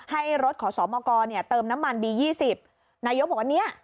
ให้รถขอสอมอากร๋เนี่ยเติมน้ำมันดียี่สิบนายโยบว่าเงี้ย